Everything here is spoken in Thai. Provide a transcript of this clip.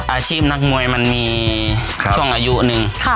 อาชีพนักมวยมันมีช่วงอายุหนึ่ง